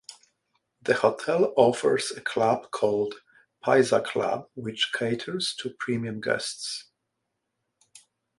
The hotel offers a club called Paiza Club which caters to premium guests.